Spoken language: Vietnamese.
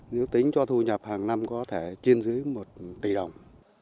nếu tính cho thu nhập hàng năm có thể trên dưới một tỷ đồng